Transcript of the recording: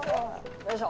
よいしょ。